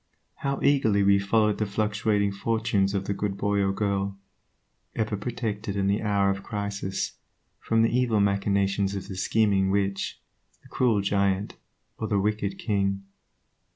How eagerly we followed the fluctuating fortunes of the good boy or girl, ever protected, in the hour of crisis, from the evil machinations of the scheming witch, the cruel giant, or the wicked king.